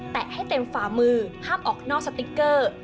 ให้เต็มฝ่ามือห้ามออกนอกสติ๊กเกอร์